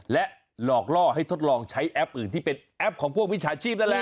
และหลอกล่อให้ทดลองใช้แอปอื่นที่เป็นแอปของพวกวิชาชีพนั่นแหละ